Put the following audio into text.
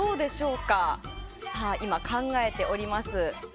今考えております。